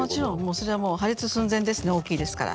そりゃもう破裂寸前ですね大きいですから。